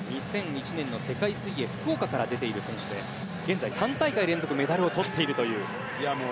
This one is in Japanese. ２００１年の世界水泳福岡から出ている選手で３大会連続でメダルをとっています。